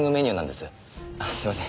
すいません。